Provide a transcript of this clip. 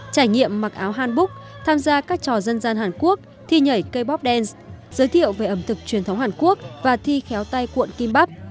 trải nghiệm mặc áo han búc tham gia các trò dân gian hàn quốc thi nhảy cây bob dance giới thiệu về ẩm thực truyền thống hàn quốc và thi khéo tay cuộn kim bắp